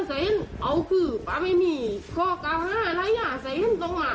เอาคือมาไม่มีก็ก้าวห้าหราย่างเสร็จต้องมา